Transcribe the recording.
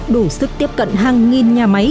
đủ sức tiếp cận hàng nghìn nhà máy